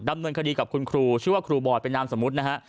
ดำเนินคดีกับคุณครูชื่อว่าครูบอยเป็นนามสมมุตินะฮะ